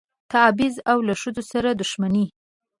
تبعیض او له ښځو سره دښمني.